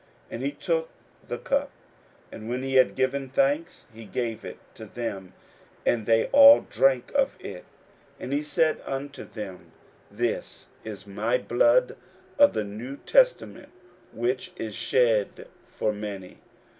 41:014:023 And he took the cup, and when he had given thanks, he gave it to them: and they all drank of it. 41:014:024 And he said unto them, This is my blood of the new testament, which is shed for many.